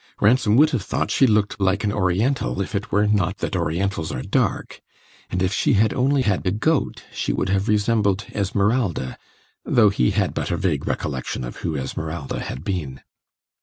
Ransom would have thought she looked like an Oriental, if it were not that Orientals are dark; and if she had only had a goat she would have resembled Esmeralda, though he had but a vague recollection of who Esmeralda had been.